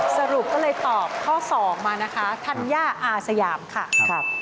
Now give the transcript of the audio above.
สรุปก็เลยตอบข้อ๒มานะคะธัญญาอาสยามค่ะ